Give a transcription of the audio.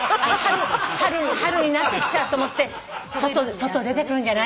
春になってきたと思って外出てくるんじゃない？